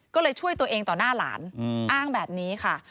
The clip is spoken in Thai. ก็เลยช่วยตัวเองต่อหน้าหลานอ้างแบบนี้ค่ะ